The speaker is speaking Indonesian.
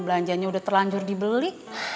belanjanya udah terlanjur dibeli